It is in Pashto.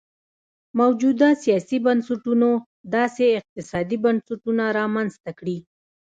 موجوده سیاسي بنسټونو داسې اقتصادي بنسټونه رامنځته کړي.